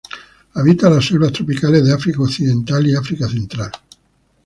Habita la selvas tropicales de África Occidental y África Central.